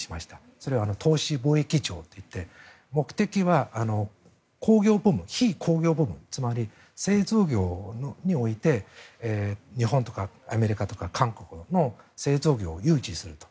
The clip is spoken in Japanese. それは投資貿易庁といって目的は非工業部門つまり製造業において日本とかアメリカとか韓国の製造業を誘致すると。